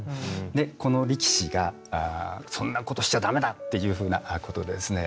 でこの力士がそんなことしちゃ駄目だっていうふうなことでですね